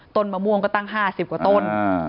มะม่วงก็ตั้ง๕๐กว่าต้น